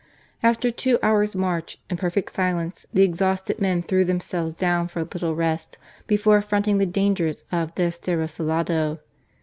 After two hours' march in perfect silence the exhausted men threw themselves down for a little rest before affronting the dangers of the "Estero Salado."